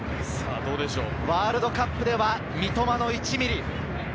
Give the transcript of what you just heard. ワールドカップでは「三笘の１ミリ」。